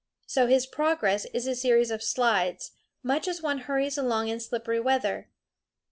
So his progress is a series of slides, much as one hurries along in slippery weather.